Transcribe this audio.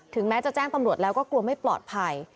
แม้จะแจ้งตำรวจแล้วก็กลัวไม่ปลอดภัย